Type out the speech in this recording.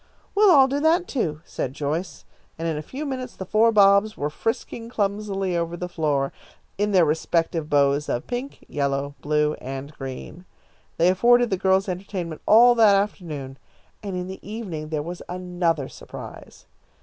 "We'll all do that, too," said Joyce, and in a few minutes the four Bobs were frisking clumsily over the floor, in their respective bows of pink, yellow, blue, and green. They afforded the girls entertainment all that afternoon, and in the evening there was another surprise.